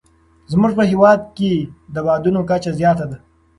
زموږ په هېواد کې د بادونو کچه زیاته ده.